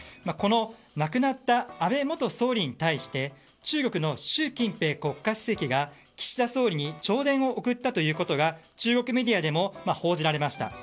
亡くなった安倍元総理に対して中国の習近平国家主席が岸田総理に弔電を送ったということが中国メディアでも報じられました。